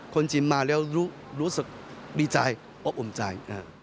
จิมมาแล้วรู้สึกดีใจอบอุ่นใจ